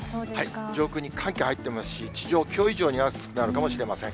上空に寒気入っていますし、地上、きょう以上に暑くなるかもしれません。